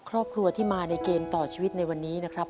ครอบครัวที่มาในเกมต่อชีวิตในวันนี้นะครับ